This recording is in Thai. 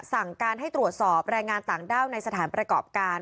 สั่งการให้ตรวจสอบแรงงานต่างด้าวในสถานประกอบการ